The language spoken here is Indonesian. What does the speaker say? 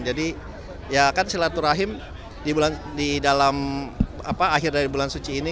jadi ya kan silaturahim di akhir dari bulan suci ini